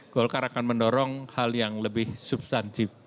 golkar akan mendorong hal yang lebih substantif